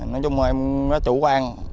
nói chung là em rất là tự nhiên